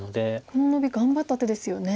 このノビ頑張った手ですよね。